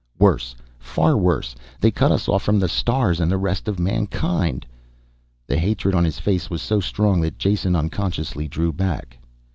Worse, far worse, they cut us off from the stars and the rest of mankind." The hatred on his face was so strong that Jason unconsciously drew back.